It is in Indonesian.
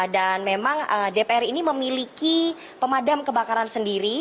dan memang dpr ini memiliki pemadam kebakaran sendiri